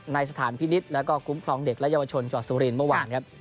สถานพินิษฐ์แล้วก็คุ้มครองเด็กและเยาวชนจังหวัดสุรินทร์เมื่อวานครับ